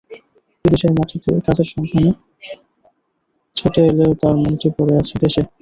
বিদেশের মাটিতে কাজের সন্ধানে ছুটে এলেও তার মনটি পড়ে আছে দেশে।